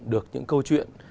được những câu chuyện